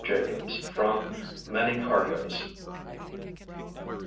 JACOBS From "Many Cargoes."